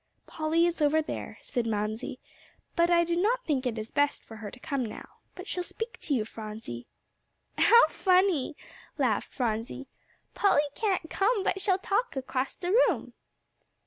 "Polly is over there," said Mamsie, "but I do not think it's best for her to come now. But she'll speak to you, Phronsie." "How funny!" laughed Phronsie. "Polly can't come, but she'll talk across the room."